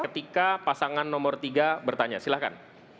ketika pasangan nomor tiga bertanya silahkan